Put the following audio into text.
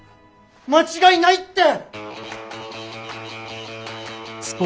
間違いないって！